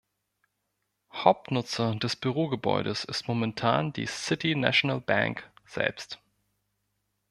Hauptnutzer des Bürogebäudes ist momentan die City National Bank selbst.